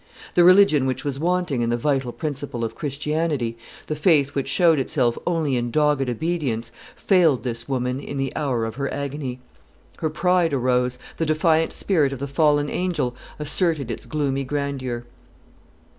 The religion which was wanting in the vital principle of Christianity, the faith which showed itself only in dogged obedience, failed this woman in the hour of her agony. Her pride arose; the defiant spirit of the fallen angel asserted its gloomy grandeur.